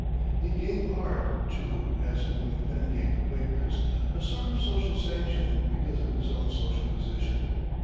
He gave art, too as William Penn gave the Quakers a sort of social sanction because of his own social position.